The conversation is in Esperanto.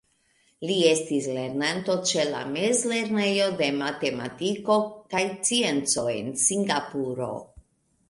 Li estis lernanto ĉe la Mezlernejo de Matematiko kaj Scienco de Singapuro.